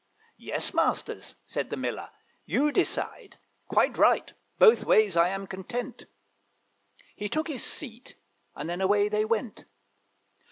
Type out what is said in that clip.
'Yes, masters,' said the Miller, 'you decide Quite right; both ways I am content.' He took his seat, and then away they went.